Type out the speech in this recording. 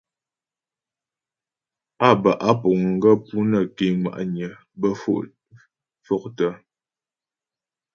Á bə́ á puŋ gaə́ pú nə́ ké ŋwa'nyə bə́ fôktə.